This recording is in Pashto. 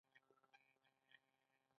زه ستا بابا یم.